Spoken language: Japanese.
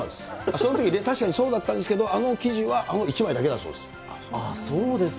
そのとき、確かにそうだったんですけど、あの記事はあの一枚だけだそうでそうですか。